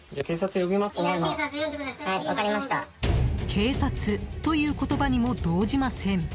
警察という言葉にも動じません。